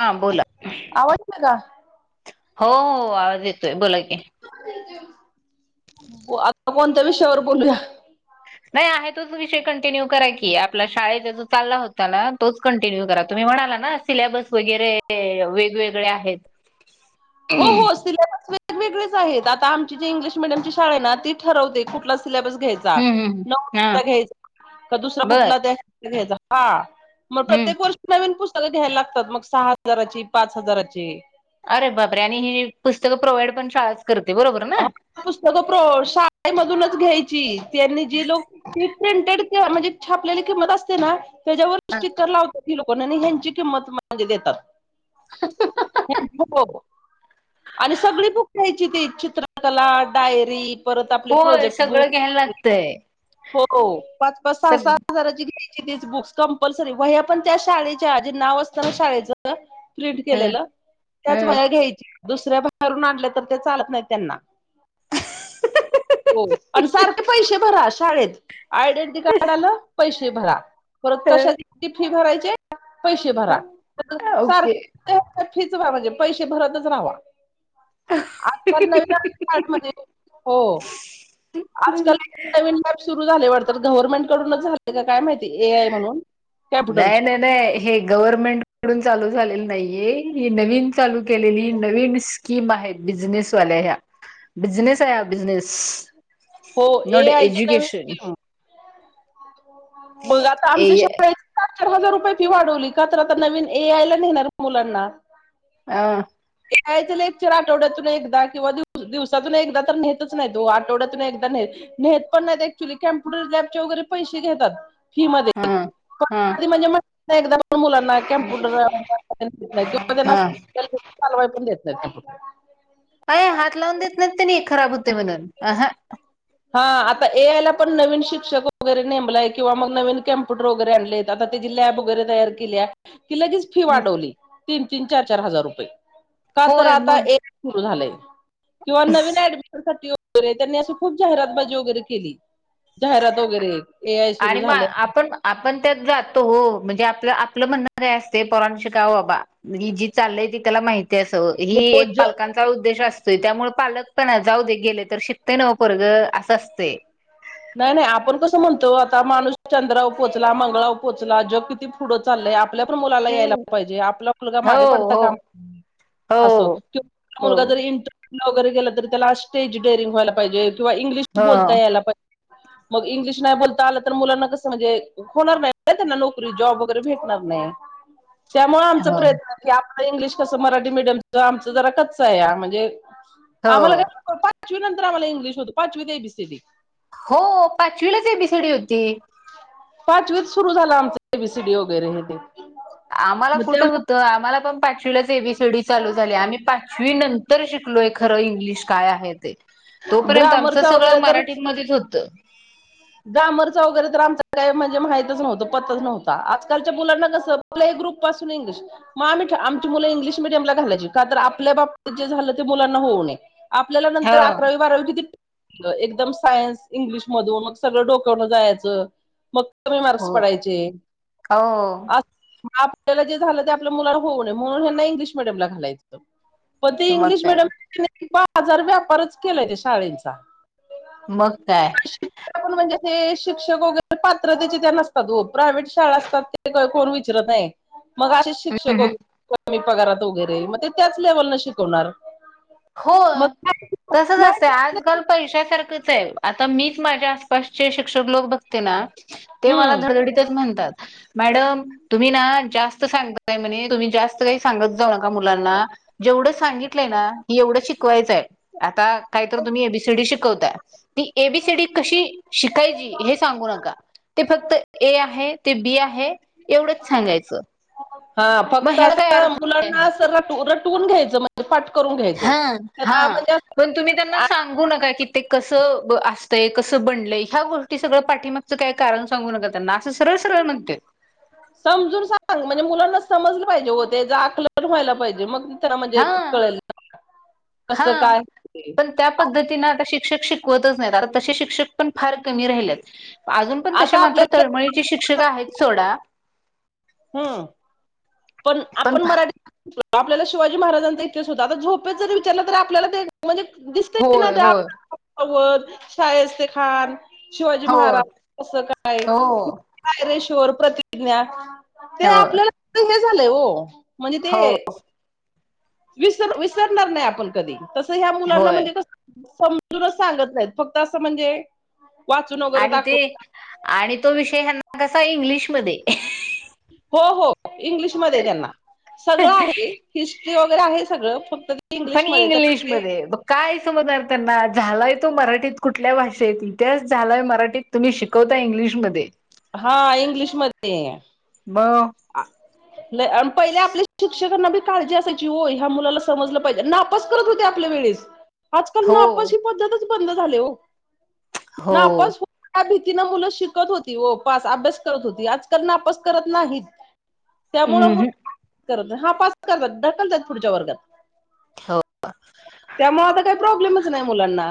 हा बोला आवाज येतोय का? हो आवाज येतोय बोला की आता कोणत्या विषयावर बोलूया नाही आहे तोच विषय कंटिन्यू करा की आपला शाळेचा जो चालला होता ना तोच कंटिन्यू करा तुम्ही म्हणाला ना सिलेबस वगैरे वेगवेगळे आहेत हो हम्म -हो सिलेबस वेगवेगळेच आहेत आता आमची जी इंग्लिश मिडयम शाळा ना त ठरते कुठला सिलेबस हम्म घ्यायंच हा घ्याय का दुसरा बर कुठला त्या घ्यायचा हा मग हम्म प्रत्येक वर्षी नवीन पुस्तकं घ्यायला लागतात मग सहा हजाराची पाच हजाराची अरे बापरे आणि ही पुस्तकं प्रोव्हाइड पण शाळाच करते बरोबर ना पुस्तक प्र शाळेमधूनच घ्यायची त्यांनी जी लोक प्रिंटेड म्हणजे छापलेली किंमत असते ना त्याच्यावर हा. स्टिककर लावतात लोक ह्यांची किंमत म्हणजे देतात आणि सगळी बुक घ्यायची ते चित्रकला डायरी परत आपले होय प्रोजेक्ट सगळं घ्यायला लागतंय हो पाच पाच सहा सग सहा हजाराची ग करीण त्या शाव असना श प्रिंट ह केलेलं त्याच वया घ्यायची दुसऱ्या बाहेरून आणले तर ते चालत नाही त्यांना हो पण सारखे पैसे भरा शाळेत आयडेंटिटी कार्ड आलं पैसे भरा परत कशा ह फी भरायचे पैसे भरा ओके सारखे फिचवा म्हणजे पैसे भरतच राहावा आजकाल नव्यामध्ये हो आजकाल जमीन सुरू झा गव्हर्नमेंट कडूनच झाले काय माहिती ए आय म्हणून नाही कॅम्प्युटरची नाही नाही हे गव्हर्मेंट कडून चालू झालेलं नाहीये ही नवीन चालू केलेली नवीन कि मा आहेत बिझनेसवाल्या ह्या बिझनेस आहे बिझनेस हो न ए आय ची नवी एज्युकेशन स्कीम मग आता ए आमच्या शाळे सात चार हजार रुपये फी वाढवली का तर आता नवीन ए आयला नाहीेणार मुलांना हह यायचं लेक्चर आठवड्यातून एकदा किंवाव दिवसातून एकदा तर नेतच नाही तो आठवड्यातून एकदा न नेत पण नाहीत क््युली कम्पुटर लॅबचे वगैरे पैसे देतात हा आधी म्हणजे एकदा मुलांना कम्प्युटर किंवा त्यांना हं. त्या चालवाई पण देत नाही त्या अ हात लावून देत नाही ते नाही खराब होते म्हणून हा आता ए आयला पण नवीन शिक्षक वगैरेमय किंवा मग नवीन कॅम्प्युटर वगैरे आणले.. आता त्याची लॅब वगैरे तयार केली... कि लगेच फी वाढवली तीन तीन चार चार हजार रुपये का तर होय आता मग एक... सुरू झाय किंवा नवीन ऍडमिशन... र त्यांनी खूप जाहिरात बाजी वगैरे केली जाहिरात वगैरे ए., सुरू आणि म झालंय आप... पण आपण त्यात जातो हो म्हणजे आपलं आपलं म्हणणं काय असते पोरांनो शिकाव बाबा... ही जी चाललय ती त्याला माहिती अस ही एक पालकां.. चा उद्देश असतोय त्यामुळे पालक पण जाऊ दे गेले तर शिकते नव पोरग असं असते... नाही नाही आपण कसं म्हणतो आता माणूस चंद्रावर पोचला मंगळाव पोचला जग किती पुढं चाललंय.... आपल्या पण मुलाला यायला हम्म. पाहिजे आपला मुलगा हो मागे पडता हो कामा... अस हो किं हो मुलगा जरी इंरे.. वगैरे त तर त्याला स्टेज डेअरिंग व्हायला पाहिजे वा इंग्लिश बोलता हो यायला पाहिजे. मग इंग्लिश नाही बोलता आलं तर मुलांना कसं म्हणजे... होणार नाही त्यांना नोकरी जॉब वगैरे भेटणार नाही त्यामुळे आमचा हो प्रयत्न... की आप इंग्लिश कसं मराठी मीडियम च आमच जरा कच्च आहे या म्हणजे हो आम्हाला क... पाचवी नंतर आम्हाला इंगलिश होत पाचवी ते एबीसीडी हो पाचवीलाच एबिसीडी होती... पाचवीत सुरु झाला आमच एबीसीडी वगैरे हे ते... आम्हाला कुठे हो... तर त्यामुळे आम्हाला पण पाचवीलाच एबीसीडी चालू झाली आम्ही पाचवी नंतर शिकलोय खरं इंग्लिश काय आहे ते.... तोपर्यंत आमचं ग्रामरचा सगळं वगैरे तर मराठीमध्येच होतं... ग्रामरचा वगैरे तर आमच काय म्हणजे माहितच नव्हतं पतच नव्हता आजकालच्या मुलांना कसं... प्ले ग्रुप पासून इंग्लिश... मग आम्ही आमची मुलं इंग्लिश मिीडियमला घालायची का तर आपल्या बाबतीत जे झालं ते मुलांना होऊ नये. आपल्याला हो नंतर अकरावी बारावी किती एकदम सायन्स इंग्लिश मधून मग... सगळं डोकवणं जायचं मग... कमी हो मार्क्स पडायचे... हो जे झालं ते आपल्या मुला होऊ ने म्हणूनना इंग्लिश मीडियम ला घालायचं पण ते मग इंग्लिश काय मिडियम. बाजार व्यापारच केलाय ते शाळेंचा... मग काय? आपण म्हणजे ते शिक्षक वगैरे पात्रतेचे त्या नसतात प्रायव्हेट शाळा असतात.... कोण विचारत आहे मग अस.... शिक्षक हम्म पगारात वगैरे मग त्याच लेवल न शिकवणार... हो मग तसच असतं आजकाल पैशासारखंच आहे आता मीच माझ... आसपासचे शिक्षक लोक बघते ना ते मला हम्म धडधडीतच म्हणतात. मॅडम तुम्ही ना जास्त सांगताय म्हणे तुम्ही जास्त काही सांगत जाऊ नका मुलांना... जेवढं सांगितलंय ना... ही एवढं शिकवायचं आहे आता काहीत तुम्ही एबीसीडी शिकवता ती एबीसीडी कशी.... शिकायची हे सांगू नका ते फक्त ए आहे ते बी आहे.... एवढंच सांगायचं.... हा मग फक्त ह्याला अस काय अर्थ मुलांना अस र रटवून घ्यायचं म्हण... तोंड पाठ करून घ्यायचं हां, त्याला हां. म्हणजे पण तुम्ही त्यांना अस.... सांगू नका क ते कस असतय कसं बनलय ह्या गोष्टी सगळं पाठीमाग... काही कारण सांगू नका त्यांना असं सरळ सरळ म्हणते.. समजून सांग म्हणजे मुलांना समजलं पाहिजे हो ते ज आकलन व्हायला पाहिजे मग... सगळ म्हणजे हां, कळेल कसं हां. काय? पण त्या पद्धतीने आता शिक्षक शिकवतच नाहीत आता तसे शिक्षक पण फार कमी राहिलेत..... अजून पण तसे आता मात्र आपल्याला तळमळीची शिक्षक आहेत सोडा... हा पण आपण मराठी आपल्याला शिवाजी महाराजांचा इतिहास होता आता झोपेच जर विचारलं तर आपल्याला ते म्हणजे दिसत ना होय, ते होय. आपवत शायस् खान शिवाजी हो, महाराज असं काय हो, काय रेशवर प्रतिज्ञा ते हो, आपल्याला हे झालंय हो म्हणजे ते हो, विसर विसरणार नाही आपण कधी तसं ह्या मुलांना होय. म्हणजे कस समजूनच सांगत नाहीत फक्त असं म्हणजे वाचून वगैरे आणि ते दाखवून आणि तो विषय हना कसा इंग्लिशमध्ये हो हो इंग्लिशमध्येध्ये त्यांना सगळं आहे हिस्ट्री वगैरे आहे सगळं फक्त पण इंग्लिशमध्येध्ये त्यांना काय इंग्लिशमध्ये काय समजणार त्यांना झालाय तो मराठीत कुठल्या भाषेत इतिहास झालाय मराठीत तुम्ही शिकवता इंग्लिशमध्ये हा इंग्लिशमध्येध्ये ब आणि पहिले आपल्या शिक्षकांना बी काळजी असायची हो ह्या मुलाला समजलं पाहिजे तपास करत होते आपल्या वेळेस आजकाल हो नापस ही पद्धतच बंद झाली हो हो नापास त्या भीतीन मुलं शिकत होती पास अभ्यास करत होती आजकालण अपस करत नाहीत त्यामुळ मग हम्म करत हा पास करतात ढकलतात पुढच्या वर्गात हो त्यामुळे आता काही प्रॉब्लेमच नाही मुलांना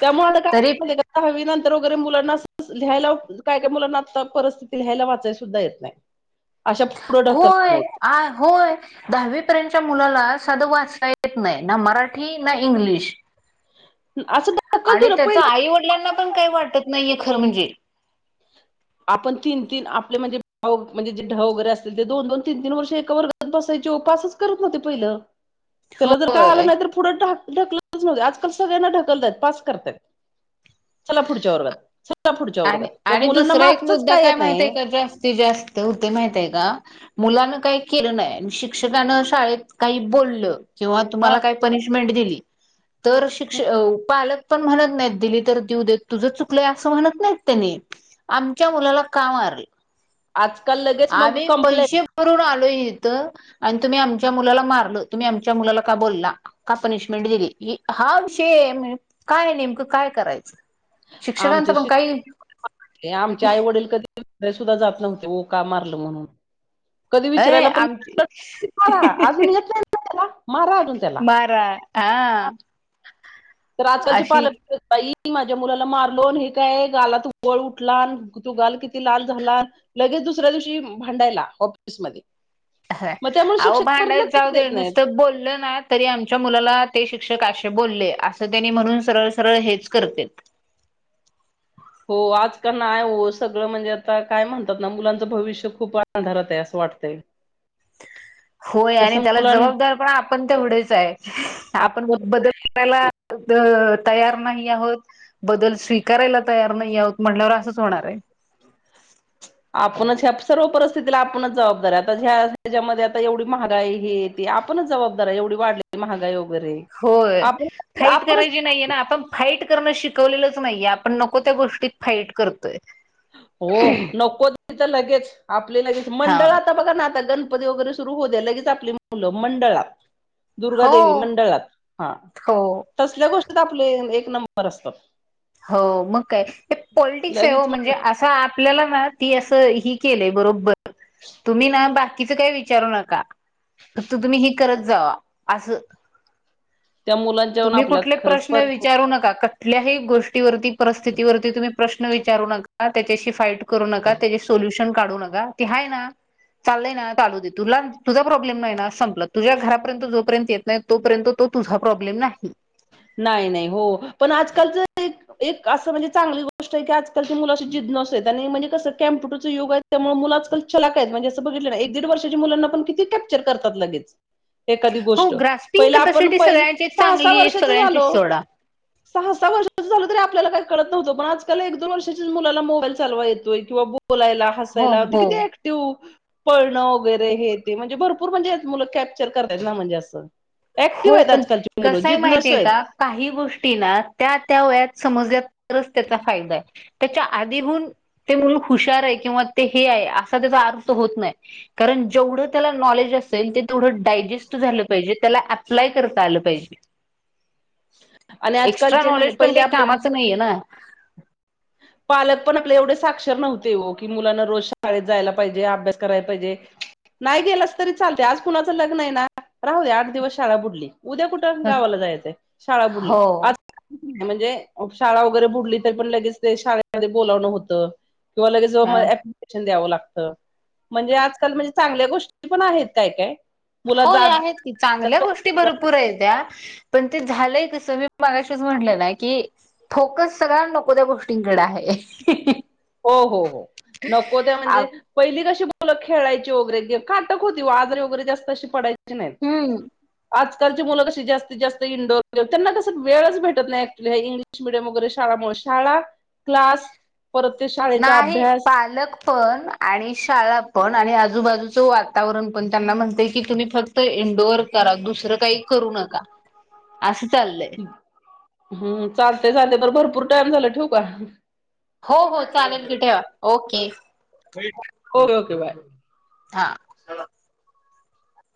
त्यामुळे आता तरी काय हवी नंतर वगैरे मुलांना लिहायला काय काय मुलांना आता परिस्थिती लिहायला वाचाय सुद्धा येत नाही. अशा पुढं ढकल होय आ होय दहावी पर्यंतच्या मुलाला साधं वाचा येत नाही ना मराठी ना इंग्लिश असं ढकलतो आणि ना त्याच आईवडिलांना पण पहिलं काही वाटत नाहीे खरं म्हणजे आपण तीन तीन आपले म्हणजे भाऊ म्हणजे ढ वगैरे असतील ते दोन दोन तीन तीन वर्ष एका ववर सापच करत पहि त्याला जर काय होय आलं नाही पुढंढक ढकलच नव्हत आजकाल सगळ्यांना ढकलतत पास करतायत चला पुढच्या वर्गात चला पुढच्या आणि वर्गात त्या आणि मुलांना दुसरा एक मागचंच मुद्दा काय येत माहित आहे नाही का जास्तीत जास्त होते माहित आहे का मुलान काही केलं नाही शिक्षकान शाळेत काही बोललं किंवा हा तुम्हाला काही पनिशमेंट दिली तर शिक्ष पालक पण म्हणत नाहीत दिली तर देऊ देत तुझं चुकलंय असं म्हणत नाही त्यांनी आमच्या मुलाला का मारले आजकाल लगेच मग कंप्लेंट करून आलो इथं आणि तुम्ही आमच्या मुलाला मारल तुम्ही आमच्या मुलाला का बोलला का पनिशमेंट दिली हा विषय काय नेमकं काय करायचं शिक्षकांचं आमचे पण काही े सुद्धा जात नव्हते ओ का मारलं म्हणून कधी अ विचारयला पण आमची मारा अजून घेतयला मारा अजून त्याला बारा हा तर आजकालचे अशी पालक बाई माझ्या मुलाला मारलो हे काय गालात गळ उठला आणि तू गाल किती लाल झाला लगेच दुसऱ्या दिवशी भांडायला ऑफिस मध्ये ह अह भांडायच जाऊ दे देत नाहीत. नुसतं बोललं ना तरी आमच्या मुलाला ते शिक्षक असे बोलले असं त्यांनी म्हणून सरळ सरळ हेच करते हो आजकाल नाही हो सगळं म्हणजे आता काय म्हणतात ना मुलांचं भविष्य खूप वात धरत आहे असं वाटतं होय आणि त्याला मुलांना जबाबदार पण आपण तेवढाच आहे आपण बदल आपल्याला तयार नाही आहोत बदल स्वीकारायला तयार नाही आत म्हटल्यावर असंच होणार आहे आपणच ह्या सर्व परिस्थितीला आपणच जबाबदार आता ह्या ह्याच्यामध्ये आता एवढी महागाई ह आपणच जबाबदार एवढी वाढली महागाई वगैरे होय आपण फाईट आपणच करायची नाइये ना आपण फाईट करणं शिकवलेलंच नाइय आपण नको त्या गोष्टीत फाईट करतोय हो नको त तर लगेच आपले लगेच हा मंडळात आता बघा ना आता गणपती वगैरे सुरू हो द्या लगेच आपली मुलं मंडळात हो दुर्गादेवी मंडळात हा हो तसल्या गोष्टीत आपले एक नंबर असतात हो मग काय ते पॉलिटिक्स हाय ओ लगेच मणजे मग अस असं आपल्याला ना ती असं ही केलंय बरोबर तुम्ही ना बाकीचं काही विचारू नका फक्त तुम्ही हे करत जावा आसं त्या मुलांच्याहून तुम्ही कुटले आपल्याला खरंच प्रश्न पर विचारू नका कुटल्याही गोष्टी वती परिस्थिती वती तुम्ही प्रश्न विचारू नका त्याच्याशी फाईट करू नका त्याचे सोल्युशन काढू नका ते हाय ना चाललंय ना चालू दे तुला तुझा प्रॉब्लेम नाइ ना संपलं तुझ्या घरापर्यंत जोपर्यंत येत नाइ तोपर्यंत तो तुझा प्रॉब्लेम नाही नाही नाही हो पण आजकालच एक एक असं म्हणजे चांगली गोष्ट आहे की आजकालची मुलं अशी जिद नसत आणि म्हणजे कसं कॅमपुटरच योग त्यामुळे मुलं आजकाल चलाकय आहेत म्हणजे असं बघितलं ना एकीड वर्षाच्या मुलांना पण कि कॅप्चर करतात लगेच एखादी हो गोष्ट ग्रास्पिंग पहिले आपण कपॅसिटी पहि सगळ्यांची सहा सहा चांगली आहे वर्षाच सगळ्यांची झालो सोडा सहा सहा वर्षा तरी आपल्याला का कळत नवतंणजकाल एक दोन वर्षाच्याच मुला मोबाईल चालवा येतोय किंवा बोलायला हो हायला कि हो त पळणं वगैरे हे ते म्हणजे भरपूर म्हणजे मुलं कॅप्चर करतत ना म्हणजे असं ऍक्टिव्ह हो आहेत पण आजकालची मुलं कसंय जिज्ञासू माहितीय आहेत का काही गोष्टी ना त्या त्या वयात समजल्या तरच त्याचा फायदा आहे त्याच्या आदीहून ते मुूल हुशार आय किंवा ते हे आय असा त्याचा अर्त होत नाइ कारण जेवढं त्याला नॉलेज असेल ते तेवढं डायजेस्ट झालं पाहिजे त्याला अप्लाय करता आल पायजे आणि एक्सट्रा आजकालचे म्हणजे नॉलेज पण पहिले आपले क नाइये ना पालक पण एवड साक्षर नव्हते हो की मुलांना रोज शाळेत जायला पाइजे अभ्यास करायला पाइजे नाइ गेलास तरी चालतेय आज कुणाचं लग्न आय ना राहू दे आठ दिवस शाळा बुडली उद्या कुठे गावाला जायचं शाळा बुडली हो. म्हणजे शाळा वगैरे बुडली तर पण लगेच ते शाळेमध्ये बोलावणं होतं किंवा लगे ज म ह द्याव लागत म्हणजे आजकाल म्हणजे चांगल्या गोष्टी पण आहेत काय काय हो मुलाचा आहेत की चांगल्या गोष्टी भरपूर आयत पण ते झालंय कस मी मगाशीच म्हटलं ना की फोकस सगळ्या नको त्या गोष्टींकडे आहे हो हो हो नको त्या मणजे पहिली कशी बोल खेळायची वगैरे गेम काटक होती आजरी वगैे जास्तशी पडायची ह नाही हम्म आजकालची मुलं कशी जास्तीत जास्त इंडोर त्यांना कस वेळच भेटत नाइ ग्लिश मिडयम वगेरे शळा शाळा क्लास परत ते शाळेचा नाही अभ्यास पालक पण आणि शाळा पण आणि आजूबाजूचं वातावरण पण त्यांना म्हणते की तुम्ही फक्त ते इंडोअर करा दुसरं काइ करू नका असं चाललंय हम्म चालतय चालतंय बर भरपूर टाइम झाला ठेवू का हो हो चालेल की ठेवा ओके ओे ओके बाय [unintelligible] हा.